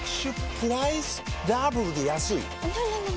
プライスダブルで安いＮｏ！